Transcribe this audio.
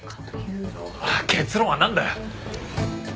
結論はなんだよ！？